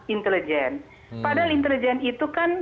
intelijen padahal intelijen itu kan